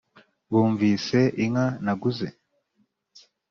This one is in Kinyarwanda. bumvise inka naguze